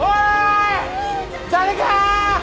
誰か！